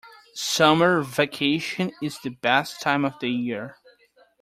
Summer vacation is the best time of the year!